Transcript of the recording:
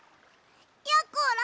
やころ！